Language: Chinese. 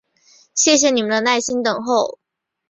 谢谢你们的耐心等候！